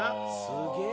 すげえ！